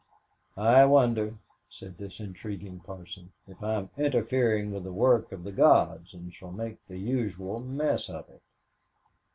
"I wonder," said this intriguing parson, "if I'm interfering with the work of the gods, and shall make the usual mess of it."